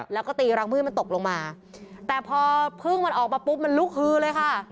แล้วก็ตีรังมื้นมันตกลงมาแต่พอพึ่งมันออกมาปุ๊บมันลุกฮือเลยค่ะ